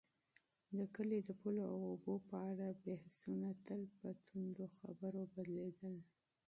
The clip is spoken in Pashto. د کلي د پولو او اوبو په اړه بحثونه تل په توندو خبرو بدلېدل.